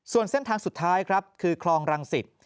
ส่วนเส้นทางสุดท้ายครับคือคลองรังสิต